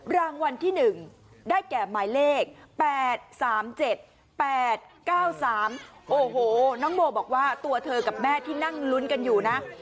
รางวัลที่๑ได้แก่หมายเลข๘๓๗๘๙๓โอ้โหน้องโบบอกว่าตัวเธอกับแม่ที่นั่งลุ้นกันอยู่นะ